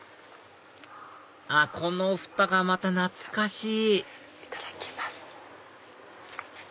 あっこのフタがまた懐かしいいただきます。